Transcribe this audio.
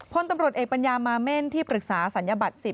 พลตำรวจเอกปัญญามาเม่นที่ปรึกษาศัลยบัตร๑๐